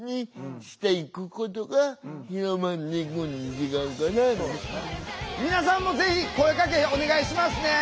それから別に皆さんもぜひ声かけお願いしますね。